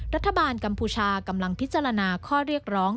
กัมพูชากำลังพิจารณาข้อเรียกร้อง